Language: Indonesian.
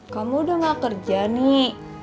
kamu sudah tidak bekerja nih